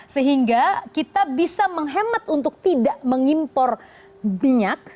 sehingga kita bisa menghemat untuk tidak mengimpor minyak